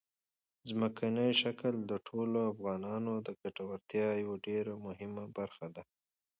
ځمکنی شکل د ټولو افغانانو د ګټورتیا یوه ډېره مهمه برخه ده.